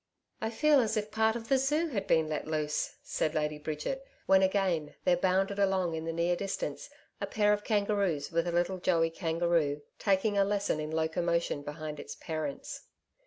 'I feel as if part of the Zoo had been let loose,' said Lady Bridget when again there bounded along in the near distance a pair of kangaroos with a little Joey kangaroo taking a lesson in locomotion behind its parents.